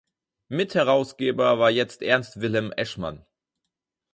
Mit-Herausgeber war jetzt Ernst Wilhelm Eschmann.